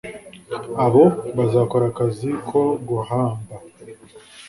Abo bazakora akazi ko guhamba